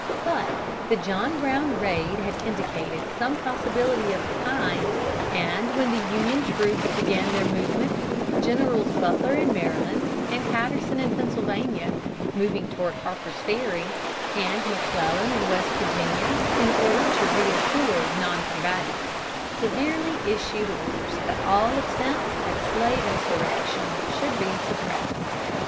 But the John Brown raid had indicated some possibility of the kind, and when the Union troops began their movements Generals Butler in Maryland and Patterson in Pennsylvania, moving toward Harper's Ferry, and McClellan in West Virginia, in order to reassure non combatants, severally issued orders that all attempts at slave insurrection should be suppressed.